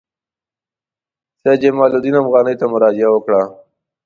سید جمال الدین افغاني ته مراجعه وکړه.